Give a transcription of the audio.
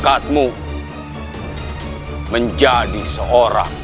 pajajaran harus berhubung